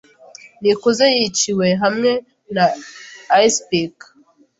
Nikuze yiciwe hamwe na icepick.